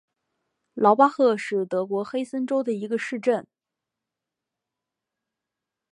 劳巴赫是德国黑森州的一个市镇。